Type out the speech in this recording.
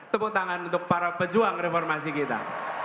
tepuk tangan untuk para pejuang reformasi kita